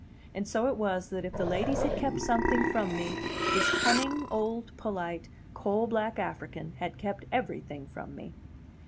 And so it was that if the ladies had kept something from me, this cunning, old, polite, coal black African had kept everything from me.